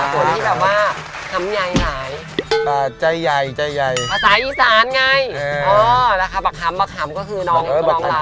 ส่วนที่แบบว่าทำยายไงจ้ายายใส่อีสานไงอ